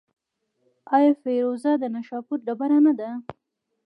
آیا فیروزه د نیشاپور ډبره نه ده؟